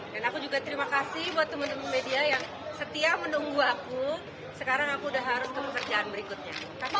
dan aku juga terima kasih buat teman teman media yang setia menunggu aku sekarang aku udah harus ke pekerjaan berikutnya